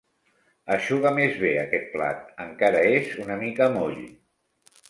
Eixuga més bé aquest plat: encara és una mica moll.